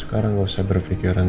sekarang gak usah berpikiran